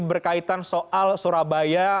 berkaitan soal surabaya